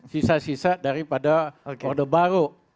sisa sisa daripada orde baru